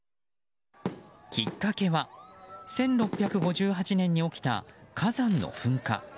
きっかけは１６５８年に起きた火山の噴火。